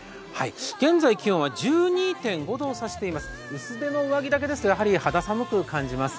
現在、気温は１２．５度を指しています薄手の上着だけですと肌寒く感じます。